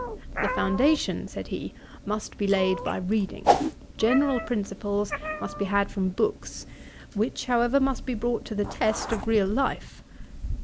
'The foundation (said he,) must be laid by reading. General principles must be had from books, which, however, must be brought to the test of real life.